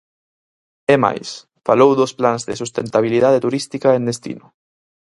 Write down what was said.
É máis, falou dos plans de sustentabilidade turística en destino.